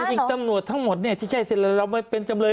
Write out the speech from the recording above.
ฟังจริงตำรวจทั้งหมดเนี่ยที่ใช่เซ็นอะไรเราไม่เป็นจำเลย